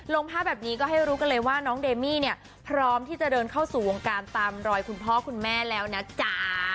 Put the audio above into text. ลงภาพแบบนี้ก็ให้รู้กันเลยว่าน้องเดมี่เนี่ยพร้อมที่จะเดินเข้าสู่วงการตามรอยคุณพ่อคุณแม่แล้วนะจ๊ะ